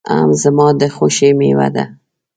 آم زما د خوښې مېوه ده.